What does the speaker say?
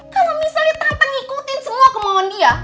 kalau misalnya tante ngikutin semua kemauan dia